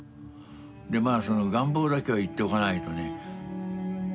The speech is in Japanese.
でまあその願望だけは言っておかないとね。